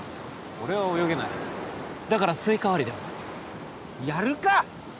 俺は泳げないだからスイカ割りでもやるか！